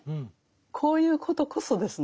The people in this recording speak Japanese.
こういうことこそですね